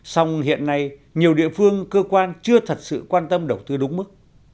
song hiện nay nhiều địa phương cơ quan chưa thật sự quan tâm đầu tư đúng mức